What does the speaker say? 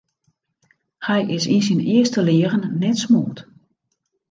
Hy is yn syn earste leagen net smoard.